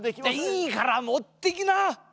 いいからもってきな！